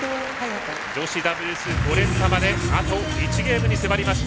女子ダブルス５連覇まであと１ゲームに迫りました。